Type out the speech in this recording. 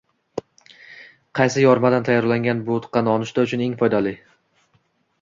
Qaysi yormadan tayyorlangan bo‘tqa nonushta uchun eng foydali?